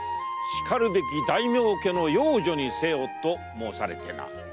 しかるべき大名家の養女にせよと申されてな。